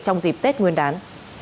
trong dịp tết nguyên đán